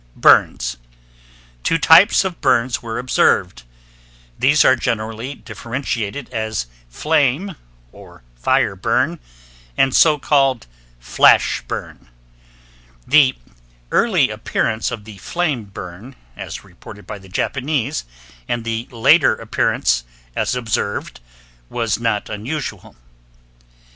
BURNS Two types of burns were observed. These are generally differentiated as flame or fire burn and so called flash burn. The early appearance of the flame burn as reported by the Japanese, and the later appearance as observed, was not unusual.